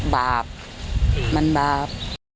บาปมันบาป